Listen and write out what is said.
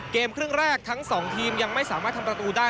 เกมครึ่งแรกทั้ง๒ทีมยังไม่สามารถทำประตูได้